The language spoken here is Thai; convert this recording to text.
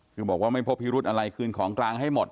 คือบอกว่าไม่พบพิรุธอะไรคืนของกลางให้หมด